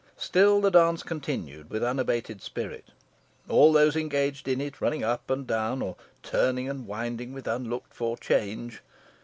Still the dance continued with unabated spirit; all those engaged in it running up and down, or "turning and winding with unlooked for change."